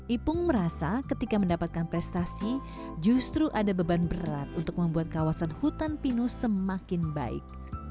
ipung merasa ketika mendapatkan prestasi justru ada beban berat untuk membuat kawasan hutan pinus semakin baik